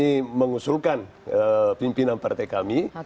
kami mengusulkan pimpinan partai kami